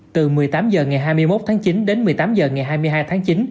từ một mươi tám h ngày hai mươi một tháng chín đến một mươi tám h ngày hai mươi hai tháng chín